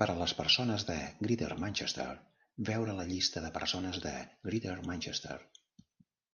Per a les persones de Greater Manchester, veure la Llista de persones de Greater Manchester.